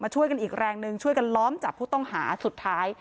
ช่วยกันล้อมจับผู้ต้องหาสุดท้าย